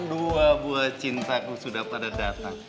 dua buah cintaku sudah pada datang